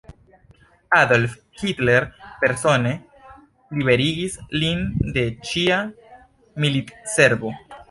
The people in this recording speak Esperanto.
Adolf Hitler persone liberigis lin de ĉia militservo.